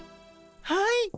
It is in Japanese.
はい。